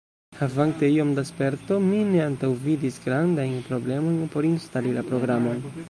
Havante iom da sperto, mi ne antaŭvidis grandajn problemojn por instali la programon.